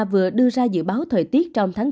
vừa đưa ra dự báo thời tiết trong tháng bốn